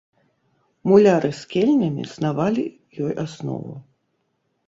Муляры з кельнямі снавалі ёй аснову.